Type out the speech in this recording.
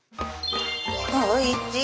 おいちい！